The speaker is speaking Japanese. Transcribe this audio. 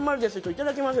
いただきます。